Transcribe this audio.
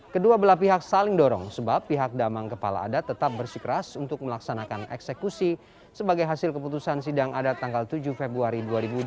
kedua belah pihak saling dorong sebab pihak damang kepala adat tetap bersikeras untuk melaksanakan eksekusi sebagai hasil keputusan sidang adat tanggal tujuh februari dua ribu dua puluh